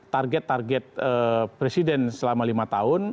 target target presiden selama lima tahun